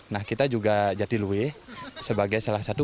nah kita juga jatiluwe sebagai salah satu